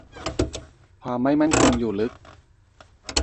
ความไม่มั่นคงอยู่ลึก